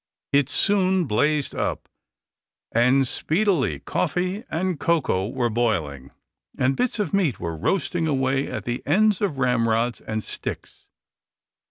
It soon blazed up, and speedily coffee and cocoa were boiling, and bits of meat were roasting away at the ends of ramrods and sticks.